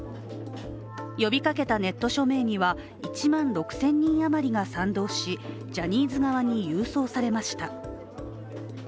呼びかけたネット署名には、１万６０００人余りが賛同し、ジャニーズ側に郵送されました。